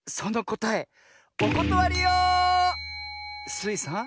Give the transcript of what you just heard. スイさん